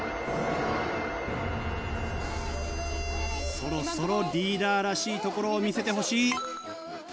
そろそろリーダーらしいところを見せてほしい。